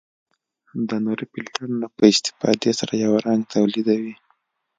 د نوري فلټر نه په استفادې سره یو رنګ تولیدوي.